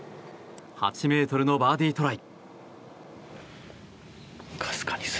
８ｍのバーディートライ。